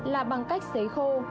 là bằng cách sấy khô